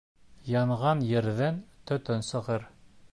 Янған ерҙән төтөн сығыр.